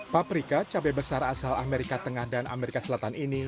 paprika cabai besar asal amerika tengah dan amerika selatan ini